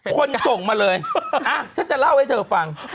ส่งมาเลยฉันจะเล่าให้เธอฟัง